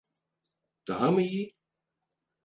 Daha mı iyi?